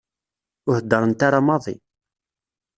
Ur heddrent ara maḍi.